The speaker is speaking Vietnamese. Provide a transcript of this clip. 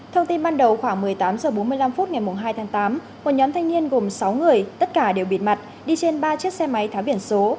thông tin ban đầu khoảng một mươi tám h bốn mươi năm ngày hai tháng tám một nhóm thanh niên gồm sáu người tất cả đều bịt mặt đi trên ba chiếc xe máy tháo biển số